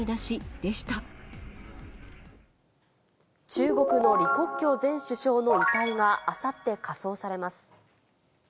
中国の李克強前首相の遺体があさって火葬されます。